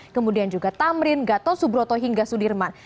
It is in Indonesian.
kemudian juga tamrin gatot subroto hingga sudirman